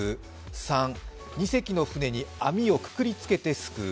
３、２隻の船に網をくくり着けてすくう。